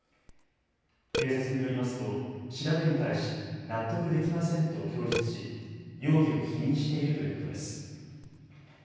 警察によりますと調べに対し納得できませんと供述し容疑を否認しているということです。